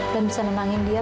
dan bisa menangin dia